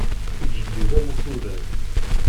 Ittjellib am ukured.